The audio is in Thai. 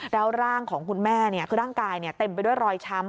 แล้วร่างของคุณแม่คือร่างกายเต็มไปด้วยรอยช้ำ